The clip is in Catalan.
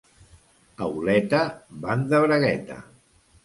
A Oleta van de bragueta.